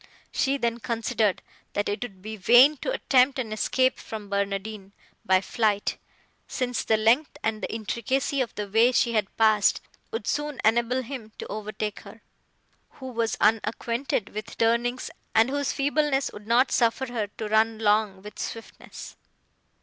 She then considered that it would be vain to attempt an escape from Barnardine by flight, since the length and the intricacy of the way she had passed would soon enable him to overtake her, who was unacquainted with the turnings, and whose feebleness would not suffer her to run long with swiftness.